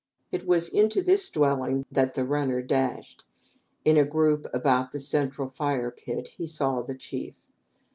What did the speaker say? It was into this dwelling that the runner dashed. In a group about the central fire pit he saw the chief.